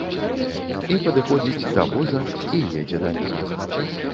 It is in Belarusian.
І падыходзіць да воза і едзе далей.